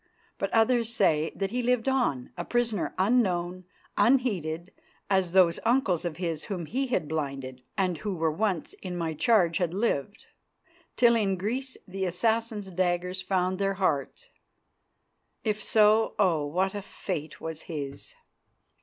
But others say that he lived on, a prisoner, unknown, unheeded, as those uncles of his whom he had blinded and who once were in my charge had lived, till in Greece the assassin's daggers found their hearts. If so, oh! what a fate was his.